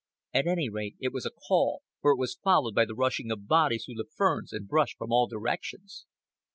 At any rate it was a call, for it was followed by the rushing of bodies through the ferns and brush from all directions.